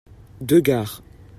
deux gares.